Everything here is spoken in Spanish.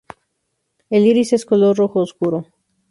El iris es color rojo oscuro.